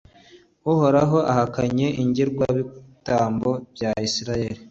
Uhoraho ahakanye ingirwabitambo bya Israheli